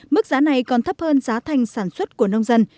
mức giá này còn thấp hơn giá thành sản xuất của nông dân